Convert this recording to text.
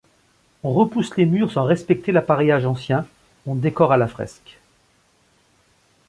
On repousse les murs sans respecter l’appareillage ancien, on décore à la fresque.